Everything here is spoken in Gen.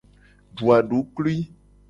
Du aduklui.